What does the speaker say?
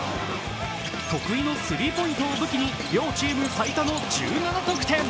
得意のスリーポイントを武器に両チーム最多の１７得点。